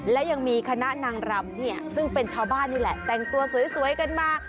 และยังมีคณะนางรำเนี่ยซึ่งเป็นชาวบ้านนี่แหละแต่งตัวสวยกันมา